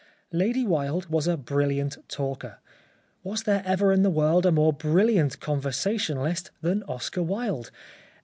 Lady Wilde was a brilliant talker : was there ever in the world a more brilliant conver sationalist than Oscar Wilde